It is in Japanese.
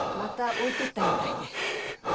置いてったみたいで。